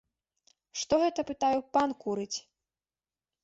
Што гэта, пытаю, пан курыць?